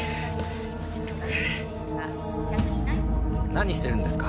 何してるんですか？